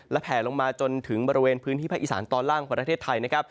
และแผลลงมาจนถึงบริเวณพื้นที่ภาคอีสานตอนล่างของประเทศไทยนะครับ